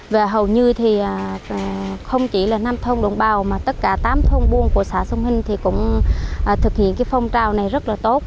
và hầu như thì không chỉ là năm thông đồng bào mà tất cả tám thông buôn của xã sông hinh thì cũng thực hiện cái phong trào này rất là tốt